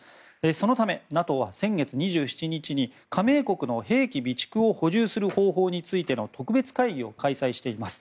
そのため、ＮＡＴＯは先月２７日に加盟国の兵器備蓄を補充する方法についての特別会議を開催しています。